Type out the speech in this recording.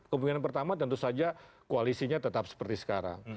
kemungkinan pertama tentu saja koalisinya tetap seperti sekarang